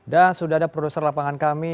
dan sudah ada produser lapangan kami